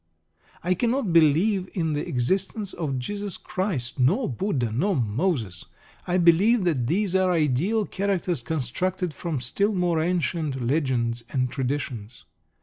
I cannot believe in the existence of Jesus Christ, nor Buddha, nor Moses. I believe that these are ideal characters constructed from still more ancient legends and traditions.